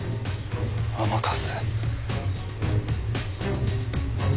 甘春。